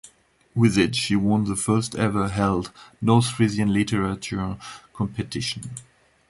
With it, she won the first ever held North Frisian literature competition.